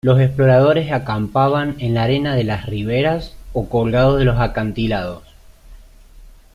Los exploradores acampaban en la arena de las riberas o colgados de los acantilados.